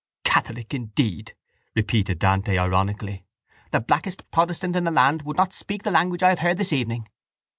—Catholic indeed! repeated Dante ironically. The blackest protestant in the land would not speak the language I have heard this evening.